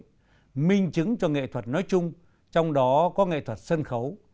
đặc biệt minh chứng cho nghệ thuật nói chung trong đó có nghệ thuật sân khấu